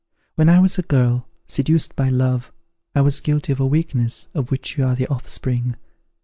When I was a girl, seduced by love, I was guilty of a weakness of which you are the offspring.